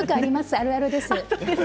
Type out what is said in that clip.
あるあるです。